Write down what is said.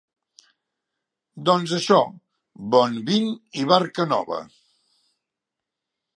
Doncs això, bon Vint i barca Nova!